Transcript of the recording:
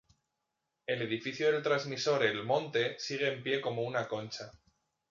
El edificio del transmisor El Monte sigue en pie como una concha.